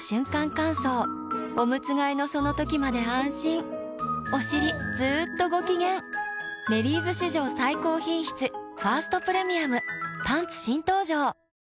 乾燥おむつ替えのその時まで安心おしりずっとご機嫌「メリーズ」史上最高品質「ファーストプレミアム」パンツ新登場！